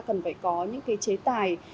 cần phải có những cái chế tài